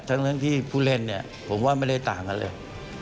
ทั้งที่ผู้เล่นเนี่ยผมว่าไม่ได้ต่างกันเลย